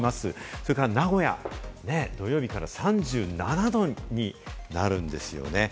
それから名古屋、土曜日から３７度になるんですよね。